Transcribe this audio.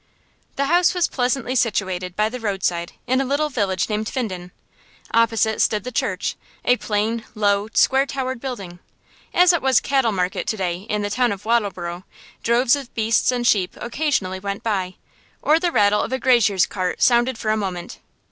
The house was pleasantly situated by the roadside in a little village named Finden. Opposite stood the church, a plain, low, square towered building. As it was cattle market to day in the town of Wattleborough, droves of beasts and sheep occasionally went by, or the rattle of a grazier's cart sounded for a moment.